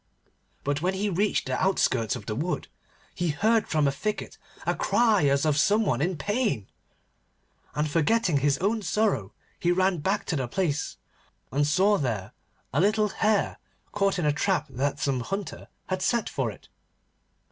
But when he had reached the outskirts of the wood, he heard from a thicket a cry as of some one in pain. And forgetting his own sorrow he ran back to the place, and saw there a little Hare caught in a trap that some hunter had set for it.